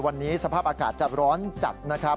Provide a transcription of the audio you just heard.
วันนี้สภาพอากาศจะร้อนจัดนะครับ